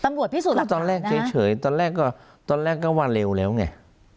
ตำลวดพิสูจน์หลักฐานก็ตอนแรกเฉยเฉยตอนแรกก็ตอนแรกก็ว่าเร็วแล้วไง